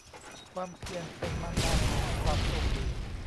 ความเพียรเป็นมารดาของความโชคดี